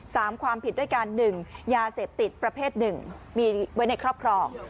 ความผิดด้วยการหนึ่งยาเสพติดประเภทหนึ่งมีไว้ในครอบครอง